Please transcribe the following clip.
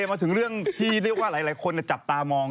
มาถึงเรื่องที่เรียกว่าหลายคนจับตามอง